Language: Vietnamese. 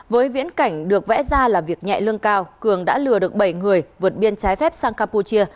với viễn cảnh được vẽ ra là việc nhẹ lương cao cường đã lừa được bảy người vượt biên trái phép sang campuchia